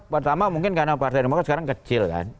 pertama mungkin karena partai demokrat sekarang kecil kan